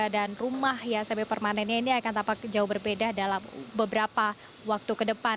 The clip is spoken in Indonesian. dan rumah yang sempit permanen ini akan tampak jauh berbeda dalam beberapa waktu ke depan